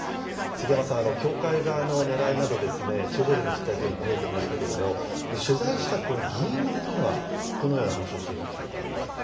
杉山さん、教会のねらいなど、地方での実態というのが見えてきましたけれども、これ、取材した議員側というのは、どのような話をしているんでしょうか。